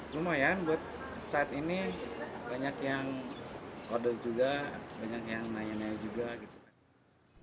lumayan buat saat ini banyak yang order juga banyak yang nanya nanya juga gitu kan